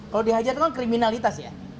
kalo dihajar kan kriminalitas ya